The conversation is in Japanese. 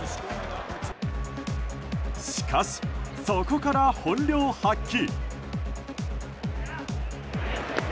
しかし、そこから本領発揮。